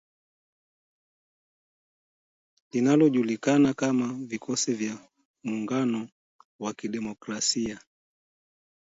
Linalojulikana kama Vikosi vya Muungano wa Kidemokrasia.